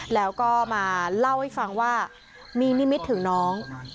แล้วก็มาเล่าให้ฟังว่ามีนิมิตถึงน้อง